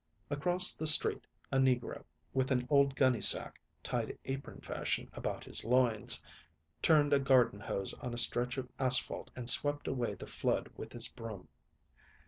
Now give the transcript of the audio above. Across the street a negro, with an old gunny sack tied apron fashion about his loins, turned a garden hose on a stretch of asphalt and swept away the flood with his broom.